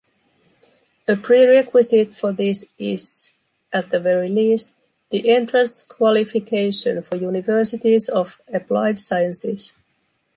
A prerequisite for this is, at the very least, the entrance qualification for universities of applied sciences.